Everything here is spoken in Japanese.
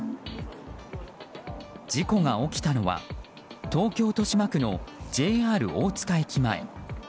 事故が起きたのは東京・豊島区のＪＲ大塚駅前。